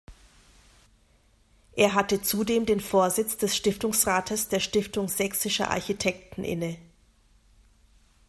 Er hatte zudem den Vorsitz des Stiftungsrates der Stiftung Sächsischer Architekten inne.